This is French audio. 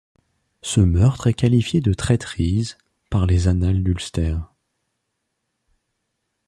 Ce meurtre est qualifié de traîtrise par les Annales d'Ulster.